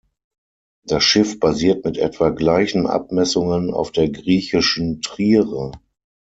Das Schiff basiert mit etwa gleichen Abmessungen auf der griechischen Triere.